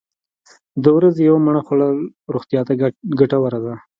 د ورځې یوه مڼه خوړل روغتیا ته ګټوره ده.